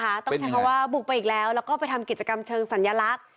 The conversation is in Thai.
ต้องใช้คำว่าบุกไปอีกแล้วแล้วก็ไปทำกิจกรรมเชิงสัญลักษณ์